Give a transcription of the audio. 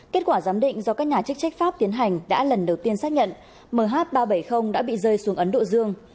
kết quả giám định do các nhà chức trách pháp tiến hành đã lần đầu tiên xác nhận mh ba trăm bảy mươi đã bị rơi xuống ấn độ dương